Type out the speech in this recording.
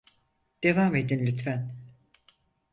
Devam edin lütfen.